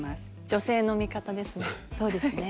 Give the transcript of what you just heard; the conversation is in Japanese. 女性の味方ですね。